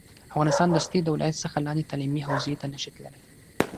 افغانستان دستي د ولایت څخه لاندې تعلیمي حوزې ته نه شي تللی